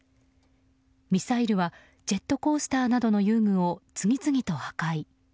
ミサイルはジェットコースターなどの遊具を次々と破壊。